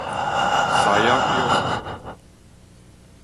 獅仔鄉